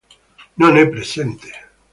Non è presente.